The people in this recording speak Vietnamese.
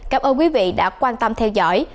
cảm ơn quý vị đã quan tâm theo dõi